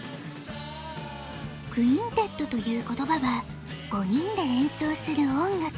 クインテットという言葉は５人でえんそうする音楽。